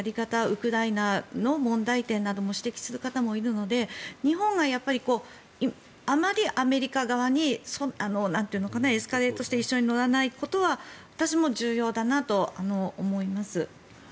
ウクライナの問題点なども指摘する方もいるので日本はあまりアメリカ側にエスカレートして一緒に乗らないことは私も重要だなと思います。